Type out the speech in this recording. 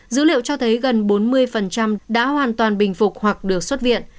dữ liệu cho thấy gần bốn mươi đã hoàn toàn bình phục hoặc được xuất viện